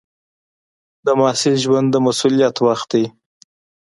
د محصل ژوند د مسؤلیت وخت دی.